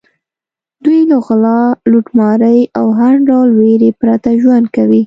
دوی له غلا، لوټمارۍ او هر ډول وېرې پرته ژوند کوي.